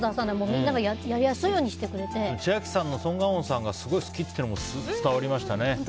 みんなが、やりやすいように千秋さんソン・ガンホさんがすごい好きというのも伝わりました。